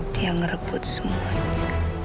dia ngerebut semuanya